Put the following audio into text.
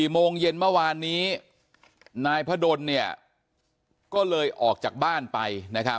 โมงเย็นเมื่อวานนี้นายพระดลก็เลยออกจากบ้านไป